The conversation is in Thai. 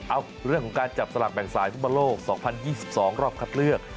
เรื่องของการจับสลากแบ่งสายฟุตบอลโลก๒๐๒๒รอบคัดเลือก